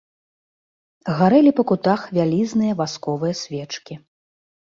Гарэлі па кутах вялізныя васковыя свечкі.